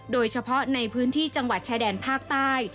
โดยเฉพาะในพื้นที่จังหวัดชายแดนภาคใต้